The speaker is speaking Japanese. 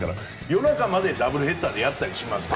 夜中までダブルヘッダーでやったりします。